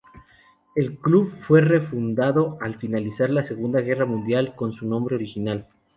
El club fue refundado al finalizar la Segunda Guerra Mundial con su nombre original.